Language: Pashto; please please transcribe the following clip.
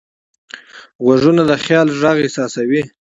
غوږونه د خیال غږ احساسوي